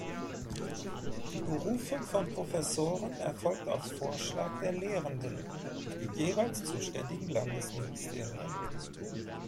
Die Berufung von Professoren erfolgt auf Vorschlag der Lehrenden durch die jeweils zuständigen Landesministerien.